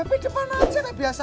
be depan aja kan biasanya